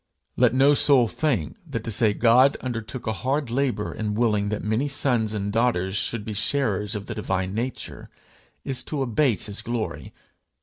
Let no soul think that to say God undertook a hard labour in willing that many sons and daughters should be sharers of the divine nature, is to abate his glory!